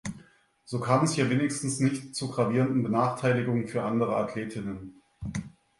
So kam es hier wenigstens nicht zu gravierenden Benachteiligungen für andere Athletinnen.